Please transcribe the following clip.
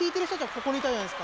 ここにいたじゃないですか。